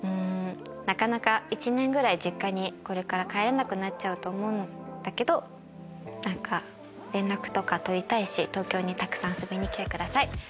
一年ぐらい実家に帰れなくなっちゃうと思うけど連絡とか取りたいし東京にたくさん遊びに来てください。